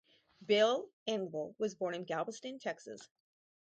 Bill Engvall was born in Galveston, Texas.